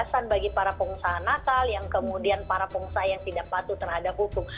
kesan bagi para pengusaha nakal yang kemudian para pengusaha yang tidak patuh terhadap hukum